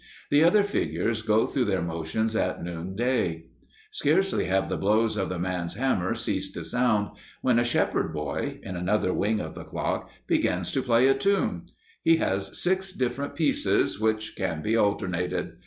The other figures go through their motions at noonday. Scarcely have the blows of the man's hammer ceased to sound, when a shepherd boy, in another wing of the clock, begins to play a tune; he has six different pieces, which can be alternated.